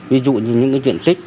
ví dụ như những cái diện tích